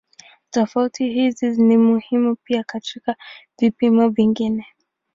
Tofauti hizi ni muhimu pia katika vipimo vingine.